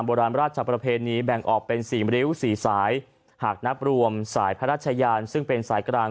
มันปลื้มครับ